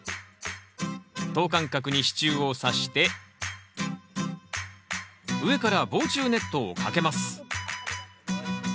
等間隔に支柱をさして上から防虫ネットをかけます。